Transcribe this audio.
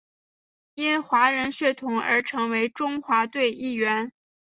因华人血统而成为中华队一员。